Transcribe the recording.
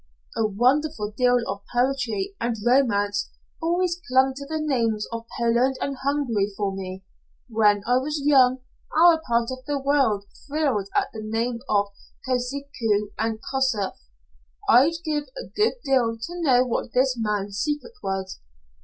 "A wonderful deal of poetry and romance always clung to the names of Poland and Hungary for me. When I was young, our part of the world thrilled at the name of Kosciuszko and Kossuth. I'd give a good deal to know what this man's secret was.